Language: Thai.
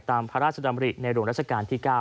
ตามพระราชดำริในหลวงราชการที่๙